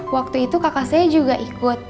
waktu itu kakak saya juga ikut